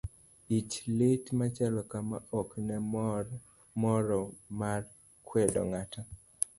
Ich lit machalo kama ok en moro mar kwedo ng'ato.